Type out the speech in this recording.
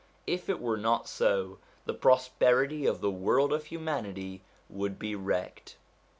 If it were not so, the prosperity of the world of humanity would be wrecked.